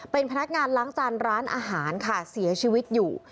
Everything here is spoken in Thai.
เป็นพนักงานล้างจานร้านอาหารค่ะเสียชีวิตอยู่